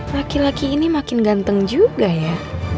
laki laki ini makin ganteng juga ya